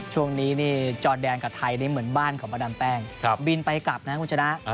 ช่วงนี้จอดแดนกับไทยเหมือนบ้านของพระดำแป้งบินไปกลับนะครับคุณชนะ